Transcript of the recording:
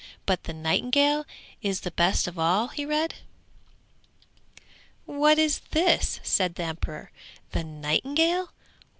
'But the nightingale is the best of all,' he read. 'What is this?' said the emperor. 'The nightingale?